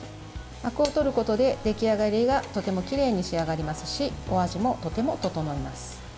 あくをとることで出来上がりがとてもきれいに仕上がりますしお味もとても調います。